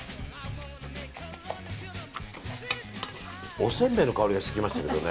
おせんべいの香りがしてきましたけどね。